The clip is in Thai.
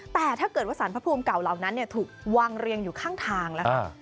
แต่ถ้าเกิดว่าสารพระภูมิเก่าเหล่านั้นถูกวางเรียงอยู่ข้างทางแล้ว